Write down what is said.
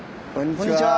こんにちは！